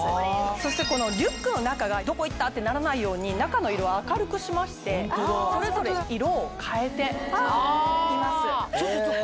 そしてこのリュックの中がどこ行った？ってならないように中の色を明るくしましてそれぞれ色を変えています。